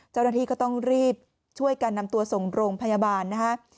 เจ้าหน้าที่ก็ต้องรีบช่วยกันนำตัวส่งโรงพยาบาลนะฮะ